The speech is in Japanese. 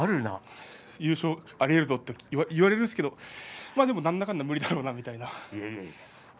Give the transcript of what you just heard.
優勝がありえるぞって言われるんですけどでもなんだかんだ無理だろうなみたいな。